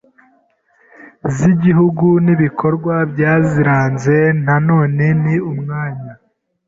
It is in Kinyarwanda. z’Igihugu n’ibikorwa byaziranze. Na none ni umwanya